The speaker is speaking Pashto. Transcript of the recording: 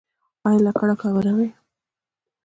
ایا لکړه کاروئ؟